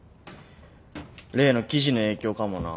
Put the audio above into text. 例の記事の影響かもな。